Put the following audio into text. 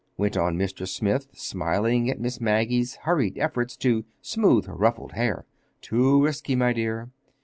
went on Mr. Smith, smiling at Miss Maggie's hurried efforts to smooth her ruffled hair. "Too risky, my dear!